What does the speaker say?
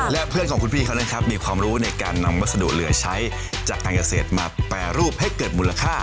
และเพื่อนของคุณพี่มีความรู้ในการณำวัสดุเรือใช้จากการเกษตรมาแปรรูปให้เกิดหมู่ราคา